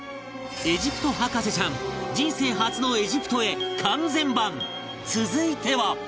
エジプト博士ちゃん人生初のエジプトへ完全版続いては